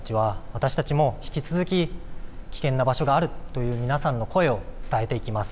私たちも引き続き危険な場所があるという皆さんの声を伝えていきます。